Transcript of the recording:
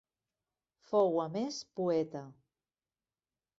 Fou a més poeta.